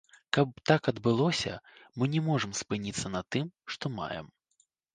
Каб так адбылося, мы не можам спыніцца на тым, што маем.